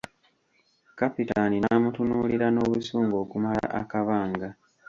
Kapitaani n'amutunuulira n'obusungu okumala akabanga.